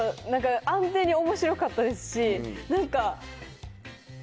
安定に面白かったですし何か。